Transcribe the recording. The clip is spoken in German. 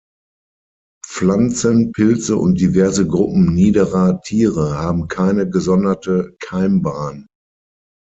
Pflanzen, Pilze und diverse Gruppen „niederer“ Tiere haben keine gesonderte Keimbahn.